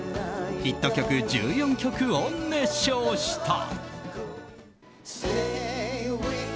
ヒット曲１４曲を熱唱した。